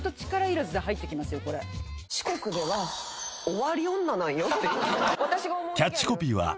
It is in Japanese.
四国では終わり女なんよって。